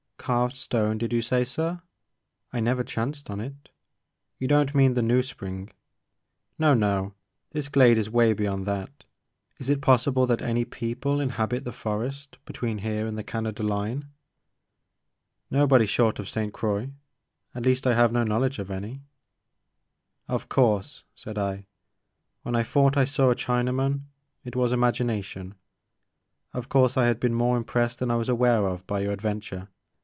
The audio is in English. "Carved stone did you say sir? I never chanced on it. You don't mean the New ! Spring "No, no ! This glade is way beyond that. Is I it possible that any people inhabit the forest be tween here and the Canada line ?"Nobody short of Ste. Croix ; at least I have no knowledge of any." Of course," said I, when I thought I saw a Chinaman, it was imagination. Of course I had been more impressed than I was aware of by your adventure.